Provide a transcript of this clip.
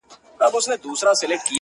زړه پر زړه دئ.